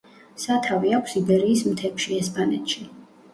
სათავე აქვს იბერიის მთებში, ესპანეთში.